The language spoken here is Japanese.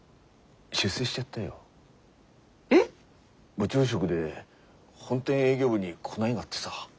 部長職で本店営業部に来ないがってさ。